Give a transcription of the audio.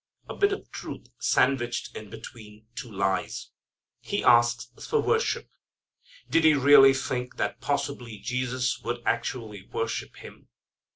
A bit of truth sandwiched in between two lies. He asks for worship. Did he really think that possibly Jesus would actually worship him?